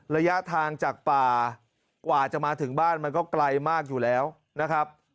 ระยะทางจากป่ากว่าจะมาถึงบ้านมันก็ไกลมากอยู่แล้วนะครับ